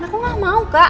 aku gak mau kak